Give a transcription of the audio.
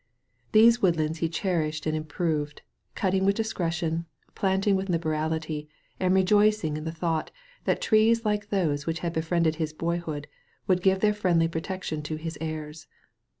These woodlands he cherished and improved, cutting with discretion, planting with liberality, and rejoicing in the thought that trees like those which had be friended his boyhood would give their friendly pro tection to his heirs.